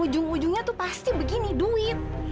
ujung ujungnya tuh pasti begini duit